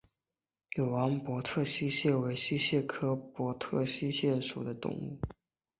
永安博特溪蟹为溪蟹科博特溪蟹属的动物。